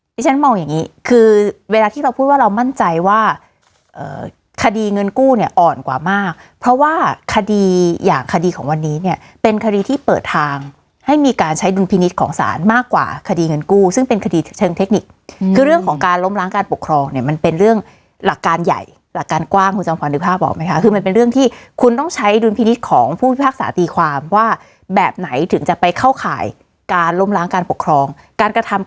ที่ฉันมองอย่างงี้คือเวลาที่เราพูดว่าเรามั่นใจว่าเอ่อคดีเงินกู้เนี้ยอ่อนกว่ามากเพราะว่าคดีอย่างคดีของวันนี้เนี้ยเป็นคดีที่เปิดทางให้มีการใช้ดุลพินิษฐ์ของสารมากกว่าคดีเงินกู้ซึ่งเป็นคดีเชิงเทคนิคคือเรื่องของการล้มล้างการปกครองเนี้ยมันเป็นเรื่องหลักการใหญ่หลักการกว้างคุณจำค